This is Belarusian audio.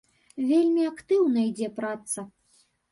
Вельмі актыўна ідзе праца.